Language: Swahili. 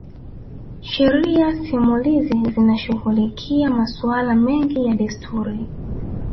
Sheria simulizi zinashughulikia masuala mengi ya desturi